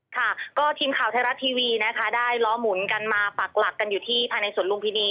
ค่ะก็ทีมข่าวไทยรัฐทีวีนะคะได้ล้อหมุนกันมาปักหลักกันอยู่ที่ภายในสวนลุมพินี